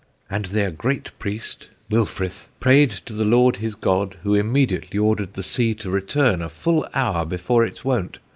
"And their great priest (Wilfrith) prayed to the Lord his God, who immediately ordered the sea to return a full hour before its wont.